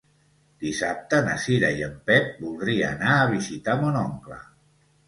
Dissabte na Cira i en Pep voldria anar a visitar mon oncle.